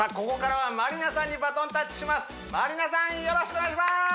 ここからはまりなさんにバトンタッチします